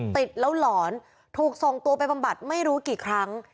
ติดแล้วหลอนถูกส่งตัวไปบำบัดไม่รู้กี่ครั้ง